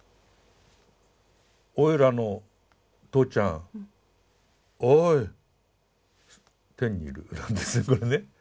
「おいらのとうちゃんおい天にいる」なんですねこれね。